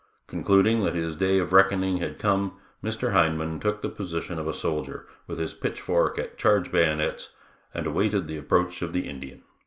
Concluding that his day of reckoning had come Mr. Hindman took the position of a soldier, with his pitchfork at "charge bayonets" and awaited the approach of the Indian.